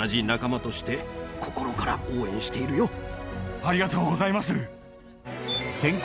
ありがとうございます。